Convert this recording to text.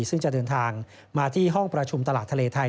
ซึ่งจะเดินทางมาที่ห้องประชุมตลาดทะเลไทย